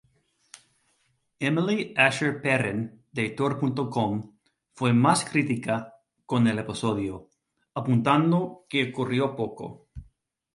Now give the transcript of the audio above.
Emily Asher-Perrin de Tor.com fue más crítica con el episodio, apuntando que ocurrió poco.